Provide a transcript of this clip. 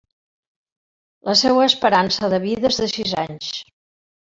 La seua esperança de vida és de sis anys.